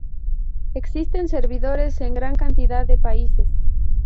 Existen servidores en gran cantidad de países.